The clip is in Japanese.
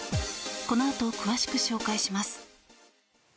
このあと詳しく紹介します。